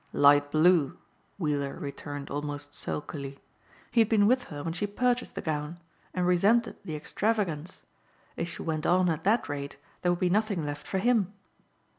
"Light blue," Weiller returned almost sulkily. He had been with her when she purchased the gown and resented the extravagance. If she went on at that rate there would be nothing left for him.